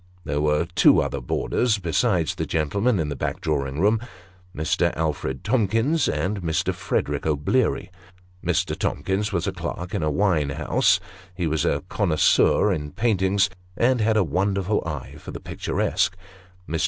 There were two other boarders, besides the gentleman in the back drawing room Mr. Alfred Tomkins and Mr. Frederick O'Bleary. Mr. Tomkins was a clerk in a wine house ; he was a connoisseur in paintings, and had a wonderful eye for the picturesque. Mr.